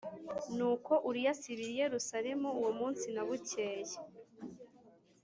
Nuko Uriya asibira i Yerusalemu uwo munsi na bukeye.